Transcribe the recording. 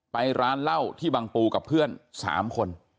ไปร้านเหล้าที่บังปูกับเพื่อน๓คน